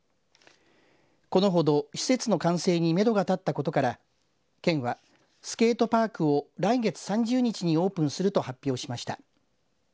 このほど施設の完成にめどが立ったことから県はスケートパークを来月３０日にオープンすると発表しました。